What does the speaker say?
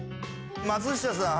松下さん。